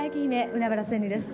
海原千里です。